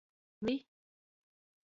Vi?